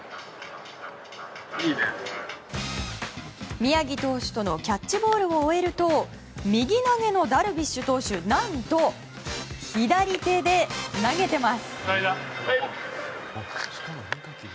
宮城投手とのキャッチボールを終えると右投げのダルビッシュ投手が何と、左手で投げています。